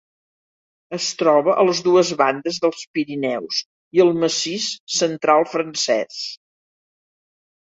Es troba a les dues bandes dels Pirineus i al Massís Central francès.